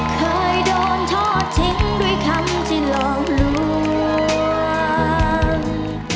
เคยโดนทอดทิ้งด้วยคำที่หลอกลวง